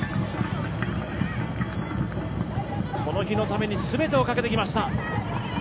この日のために全てをかけてきました。